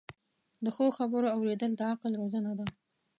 د ښو خبرو اوریدل د عقل روزنه ده.